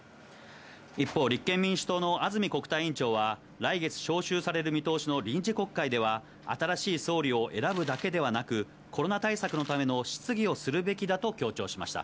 一方、立憲民主党の安住国対委員長は、来月召集される見通しの臨時国会では、新しい総理を選ぶだけではなく、コロナ対策のための質疑をするべきだと強調しました。